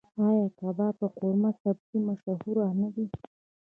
آیا کباب او قورمه سبزي مشهور نه دي؟